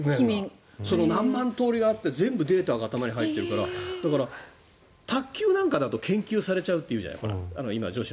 何万通りがあって全部データが頭に入っているからだから、卓球なんかだと研究されちゃうっていうじゃない。